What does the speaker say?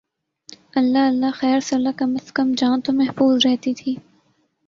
اللہ اللہ خیر سلا کم از کم جان تو محفوظ رہتی تھی۔